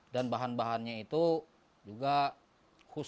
dan bahan bahannya itu juga khusus